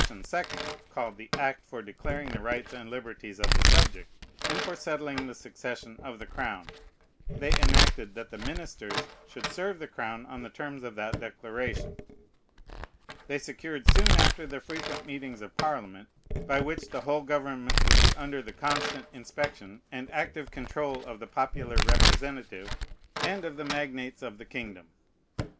2d, called "the act for declaring the rights and liberties of the subject, and for settling the succession of the crown," they enacted that the ministers should serve the crown on the terms of that declaration. They secured soon after the frequent meetings of Parliament, by which the whole government would be under the constant inspection and active control of the popular representative and of the magnates of the kingdom.